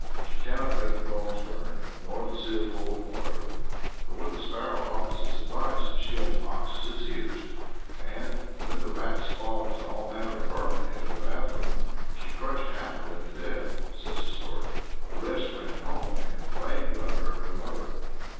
She cannot make the bones burn, nor the sieve hold water, but when the sparrow offers its advice she only boxes its ears. And when the "rats, frogs, and all manner of vermin," enter the bath room, "she crushed half of them to death," says the story; "the rest ran home, and complained about her to their mother."